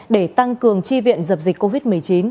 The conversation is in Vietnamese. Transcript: để tăng cường chi viện dập dịch covid một mươi chín